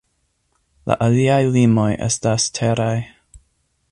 La aliaj limoj estas teraj.